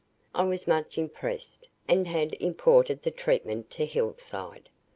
I was much impressed and had imported the treatment to Hillside.